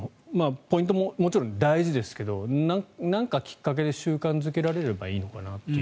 ポイントももちろん大事ですけどなんかきっかけで習慣付けられればいいのかなと。